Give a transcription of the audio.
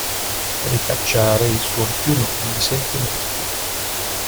Ricacciare i suoi più nobili sentimenti.